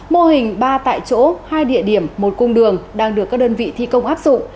mô hình ba tại chỗ hai địa điểm một cung đường đang được các đơn vị thi công áp dụng